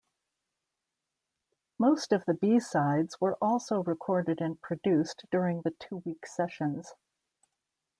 Most of the B-sides were also recorded and produced during the two-week sessions.